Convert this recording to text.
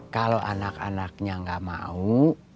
kalau anak anaknya nggak mau